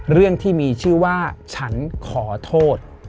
เรื่องที่มีชื่อว่าฉันขอโทษ